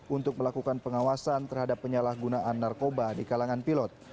untuk melakukan pengawasan terhadap penyalahgunaan narkoba di kalangan pilot